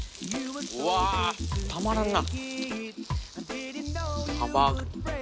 うわたまらんな。